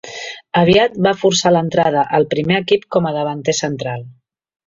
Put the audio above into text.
Aviat va forçar l'entrada al primer equip com a davanter central.